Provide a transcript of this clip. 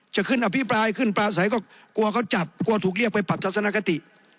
จะขึ้นอภิปรายขึ้นปลาใสก็กลัวเขาจับกลัวถูกเรียกไปปรับทัศนคติ